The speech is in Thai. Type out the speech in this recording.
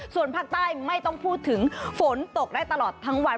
ส่วนภาคใต้ไม่ต้องพูดถึงฝนตกได้ตลอดทั้งวัน